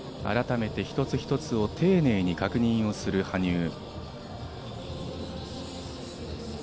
改めて一つ一つを丁寧に確認する羽生。